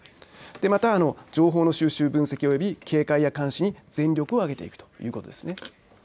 また情報の収集、分析および警戒や監視に全力を挙げていくということです。